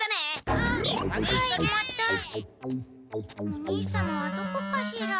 お兄様はどこかしら。